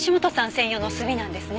専用の墨なんですね。